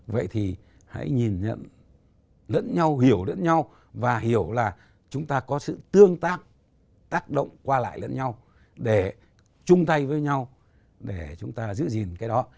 vậy thì hãy nhìn nhận lẫn nhau hiểu lẫn nhau và hiểu là chúng ta có sự tương tác tác động qua lại lẫn nhau để chung tay với nhau để chúng ta giữ gìn cái đó